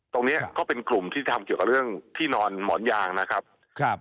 ตรงนี้ก็เป็นกลุ่มที่ทำเกี่ยวกับเรื่องที่นอนหมอนยางนะครับครับ